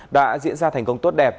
đã diễn ra thành công tốt đẹp